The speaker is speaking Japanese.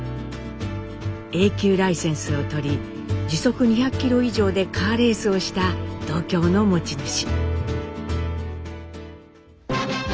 Ａ級ライセンスを取り時速２００キロ以上でカーレースをした度胸の持ち主。